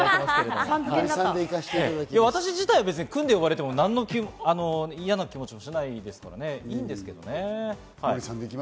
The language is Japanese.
私自体は君で呼ばれても嫌な気持ちもしないですからね、いいんですけどね。